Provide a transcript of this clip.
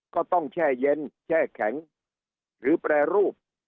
แช่เย็นแช่แข็งหรือแปรรูป